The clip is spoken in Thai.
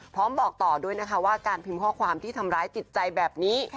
บอกต่อด้วยนะคะว่าการพิมพ์ข้อความที่ทำร้ายจิตใจแบบนี้